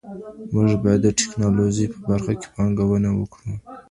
موږ باید د ټیکنالوژۍ په برخه کي پانګونه وکړو.